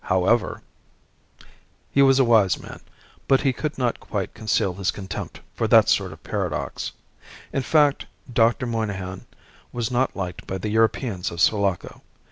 However " He was a wise man, but he could not quite conceal his contempt for that sort of paradox; in fact. Dr. Monygham was not liked by the Europeans of Sulaco.